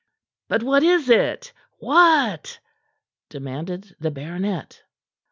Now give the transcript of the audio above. "But what is it? What?" demanded the baronet.